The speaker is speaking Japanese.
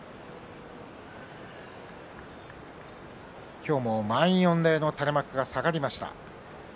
今日も満員御礼の垂れ幕が下がりました。